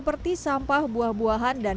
bertingkat untuk buah buah itu